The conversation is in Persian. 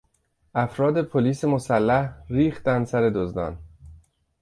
افراد پلیس مسلح ریختند سر دزدان.